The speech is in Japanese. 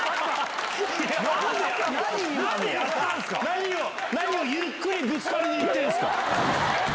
何をゆっくりぶつかりに行ってるんですか！